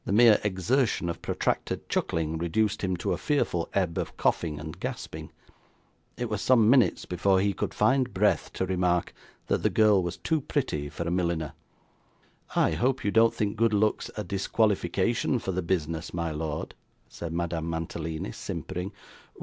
The mere exertion of protracted chuckling reduced him to a fearful ebb of coughing and gasping; it was some minutes before he could find breath to remark that the girl was too pretty for a milliner. 'I hope you don't think good looks a disqualification for the business, my lord,' said Madame Mantalini, simpering.